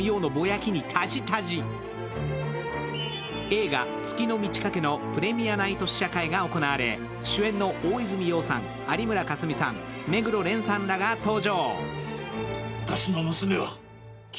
映画「月の満ち欠け」のプレミアナイト試写会が行われ、主演の大泉洋さん、有村架純さん目黒蓮さんらが登場。